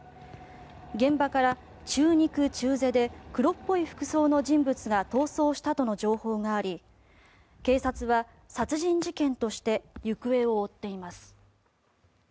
現場から中肉中背で黒っぽい服装の人物が逃走したとの情報があり警察は殺人事件として行方を追っています。